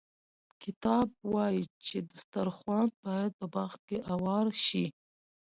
کتاب وايي چې دسترخوان باید په باغ کې اوار شي.